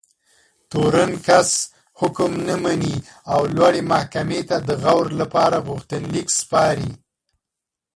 تورن کس حکم نه مني او لوړې محکمې ته د غور لپاره غوښتنلیک سپاري.